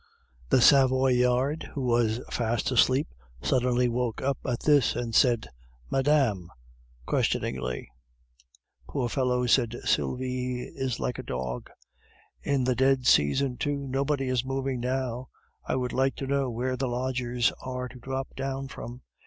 The Savoyard, who was fast asleep, suddenly woke up at this, and said, "Madame," questioningly. "Poor fellow!" said Sylvie, "he is like a dog." "In the dead season, too! Nobody is moving now. I would like to know where the lodgers are to drop down from.